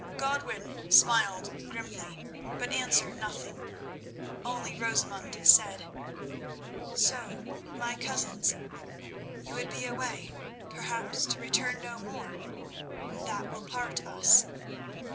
Godwin smiled grimly, but answered nothing; only Rosamund said: "So, my cousins, you would be away, perhaps to return no more, and that will part us.